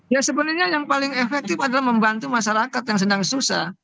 ya sebenarnya yang paling efektif adalah membantu masyarakat yang sedang susah